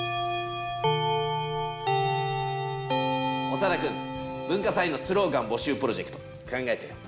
オサダくん文化祭のスローガン募集プロジェクト考えたよ。